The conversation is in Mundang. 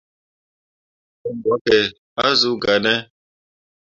Me ko mbwakke ah zuu gahne.